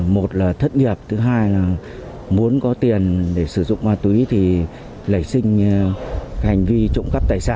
một là thất nghiệp thứ hai là muốn có tiền để sử dụng ma túy thì lẩy sinh hành vi trộm cắp tài sản